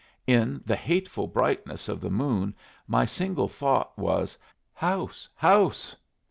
In the hateful brightness of the moon my single thought was "House! House!"